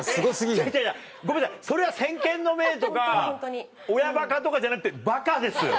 それは先見の明とか親バカとかじゃなくてバカです。